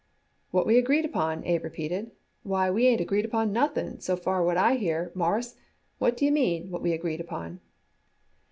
"What we agreed upon?" Abe repeated. "Why we ain't agreed upon nothing, so far what I hear, Mawruss. What d'ye mean what we agreed upon?"